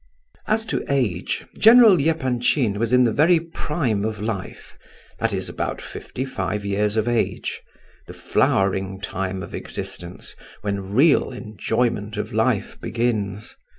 As to age, General Epanchin was in the very prime of life; that is, about fifty five years of age,—the flowering time of existence, when real enjoyment of life begins.